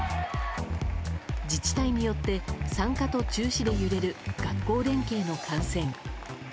自治体によって参加と中止で揺れる学校連携の観戦。